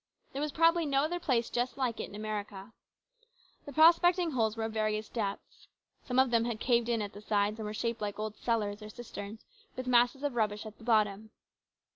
There was probably no other place just like it in America. The prospecting holes were of various depths. Some of them had caved in at the sides and were shaped like old cellars or cisterns with masses of rubbish at the bottom.